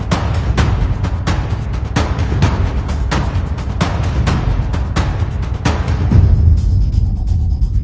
เหรอเนี่ย